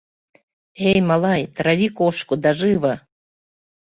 — Эй, малай, трави кошку, да живо!